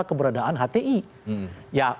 keberadaan hdi ya